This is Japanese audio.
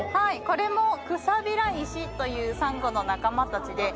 これもクサビライシというサンゴの仲間たちで。